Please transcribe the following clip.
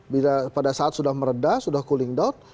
bila pada saat sudah meredah sudah cooling down